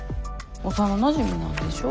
幼なじみなんでしょ？